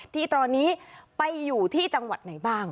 ที่ตอนนี้ไปอยู่ที่จังหวัดไหนบ้าง